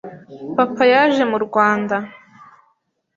Papa yaje mu Rwanda